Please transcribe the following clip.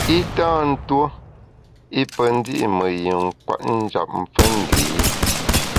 I tâ tuo i pe ndi’ me yin kwet njap fe ndé.